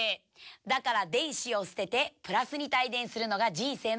だから電子を捨てて＋に帯電するのが人生の喜び。